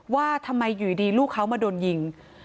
ว่าทำไมอยู่ดีลูกเขามาโดนยิง